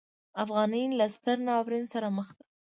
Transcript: افغانۍ له ستر ناورین سره مخ ده.